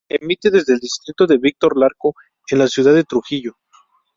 Emite desde el distrito de Víctor Larco en la ciudad de Trujillo.